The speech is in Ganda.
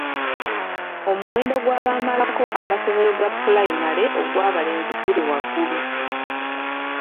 Omuwendo gw'abamalako amasomero ga pulayimale ogw'abalenzi guli waggulu.